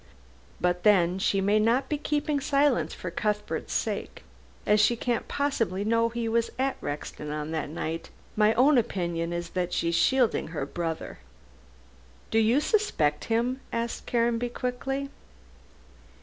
But then, she may not be keeping silence for Cuthbert's sake, as she can't possibly know he was at Rexton on that night. My own opinion is that she is shielding her brother." "Do you suspect him?" asked Caranby quickly.